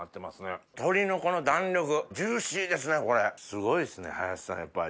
すごいっすね林さんやっぱり。